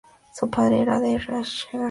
Su padre era de Rajshahi.